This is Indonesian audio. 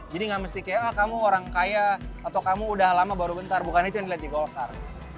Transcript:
jadi nggak mesti kayak kamu orang kaya atau kamu udah lama baru bentar bukan itu yang dilihat di golkar